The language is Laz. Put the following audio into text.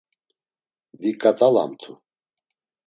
Viǩatalamtu.